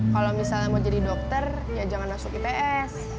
kalau misalnya mau jadi dokter ya jangan masuk its